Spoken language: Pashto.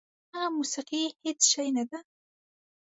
هغه موسیقي هېڅ شی نه ده.